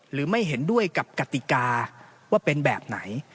หรือไม่เห็นด้วยกับกติกาว่าเป็นแบบไหน